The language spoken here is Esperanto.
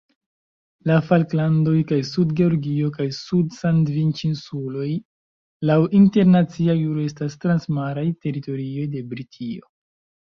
La Falklandoj kaj Sud-Georgio kaj Sud-Sandviĉinsuloj laŭ internacia juro estas transmaraj teritorioj de Britio.